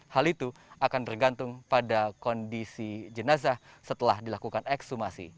hal itu akan bergantung pada kondisi jenazah setelah dilakukan ekshumasi